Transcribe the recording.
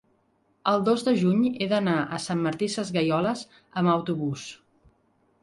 el dos de juny he d'anar a Sant Martí Sesgueioles amb autobús.